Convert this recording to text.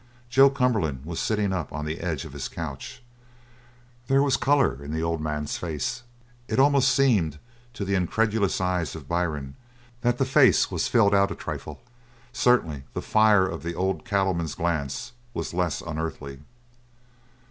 Joe Cumberland was sitting up on the edge of his couch. There was colour in the old man's face. It almost seemed, to the incredulous eyes of Byrne, that the face was filled out a trifle. Certainly the fire of the old cattleman's glance was less unearthly.